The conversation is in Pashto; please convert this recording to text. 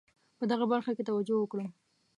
په دغه برخه کې توجه وکړم.